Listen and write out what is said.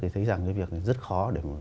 thì thấy rằng cái việc này rất khó để